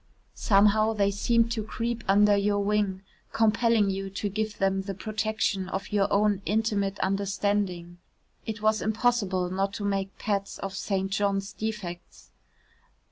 Somehow they seemed to creep under your wing, compelling you to give them the protection of your own intimate understanding. It was impossible not to make pets of St. John's defects.